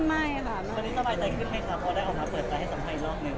ตอนนี้สบายใจขึ้นไหมคะเพราะได้ออกมาเปิดใจให้สำหรับอีกรอบหนึ่ง